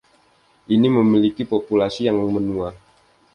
Ini memiliki populasi yang menua.